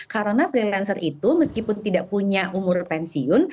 karena freelancer itu meskipun tidak punya umur pensiun